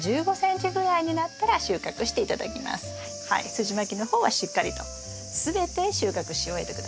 すじまきの方はしっかりと全て収穫し終えて下さい。